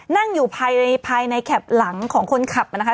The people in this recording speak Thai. นั่งอยู่ภายในภายในแคปหลังของคนขับนะคะ